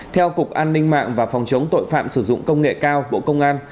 theo cục an ninh mạng và phòng chống tội phạm sử dụng công nghệ cao bộ công an